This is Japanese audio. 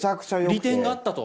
利点があったと。